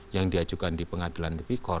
yang diajukan di pengadilan tipikor